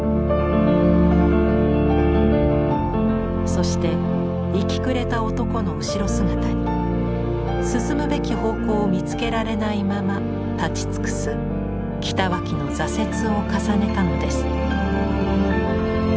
そして行きくれた男の後ろ姿に進むべき方向を見つけられないまま立ち尽くす北脇の挫折を重ねたのです。